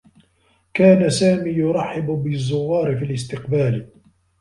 كان سامي يرحّب بالزّوّار في الاستقبال.